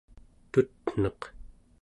tutneq